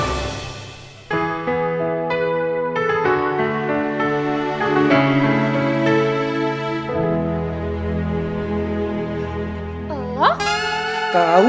lumayan nih murah pula harganya kan